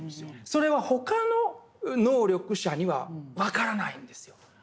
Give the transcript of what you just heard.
それは他の能力者には分からないんですよ。